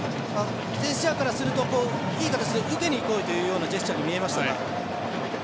ジェスチャーからするといい形で打ちにこいというジェスチャーに見えましたが。